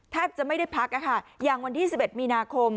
แทบจะไม่ได้พักอะค่ะอย่างวันที่สิบเอ็ดมีนาคม